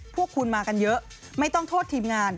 พวกคุณมากันเยอะไม่ต้องโทษทีมงาน